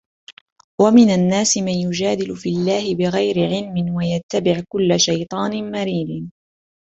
وَمِنَ النَّاسِ مَنْ يُجَادِلُ فِي اللَّهِ بِغَيْرِ عِلْمٍ وَيَتَّبِعُ كُلَّ شَيْطَانٍ مَرِيدٍ